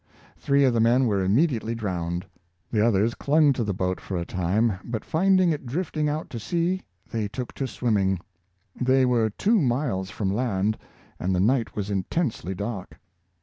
Three of the men were immediately drowned; the others clung to the boat for a time, but finding it drifting out to sea, they took to swimming. They were two miles from land, and the night was intensely dark.